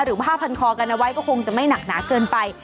ผ้าพันคอกันเอาไว้ก็คงจะไม่หนักหนาเกินไป